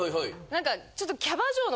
何かちょっと。